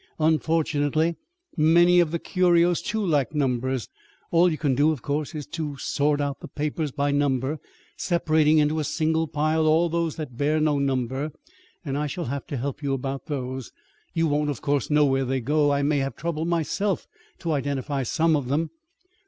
Unfortunately, many of the curios, too, lack numbers. All you can do, of course, is to sort out the papers by number, separating into a single pile all those that bear no number. I shall have to help you about those. You won't, of course, know where they go. I may have trouble myself to identify some of them.